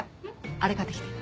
あれ買ってきて。